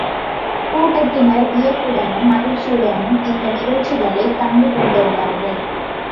கூட்டத்தினர் வியப்புடனும் மகிழ்ச்சியுடனும் இந்த நிகழ்ச்சிகளைக் கண்டு கொண்டிருந்தார்கள்.